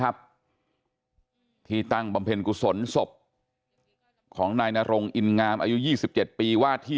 ครับที่ตั้งบำเพ็ญกุศลศพของนายนรงอินงามอายุ๒๗ปีว่าที่